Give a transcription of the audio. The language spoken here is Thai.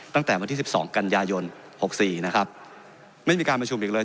ตั้งแต่วันที่สิบสองกันยายนหกสี่นะครับไม่มีการประชุมอีกเลย